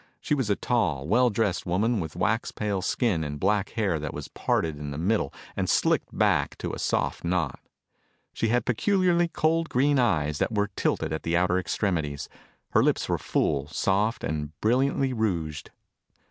She was a tall, well dressed woman with wax pale skin and black hair that was parted in the middle and slicked back to a soft knot. She had peculiarly cold green eyes that were tilted at the outer extremities. Her lips were full, soft and brilliantly rouged.